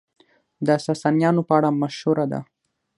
د ساسانيانو په اړه مشهوره ده،